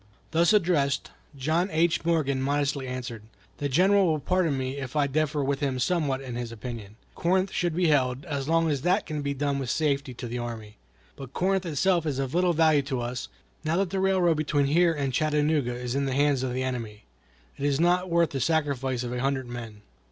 Thus addressed, John H. Morgan modestly answered: "The General will pardon me if I differ with him somewhat in his opinion. Corinth should be held, as long as that can be done with safety to the army. But Corinth itself is of little value to us, now that the railroad between here and Chattanooga is in the hands of the enemy. It is not worth the sacrifice of a hundred men."